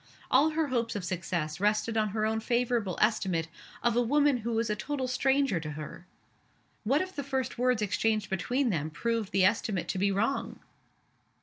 All her hopes of success rested on her own favorable estimate of a woman who was a total stranger to her! What if the first words exchanged between them proved the estimate to be wrong?